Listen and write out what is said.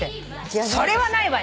それはないわよ。